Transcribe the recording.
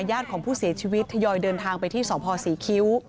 ญาติของผู้เสียชีวิตทยอยเดินทางไปที่สพศรีคิ้ว